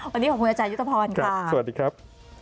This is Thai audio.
วันนี้ขอบคุณอาจารยุทธพรค่ะสวัสดีครับ